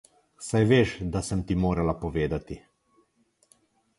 Saj veš, da sem ti morala povedati.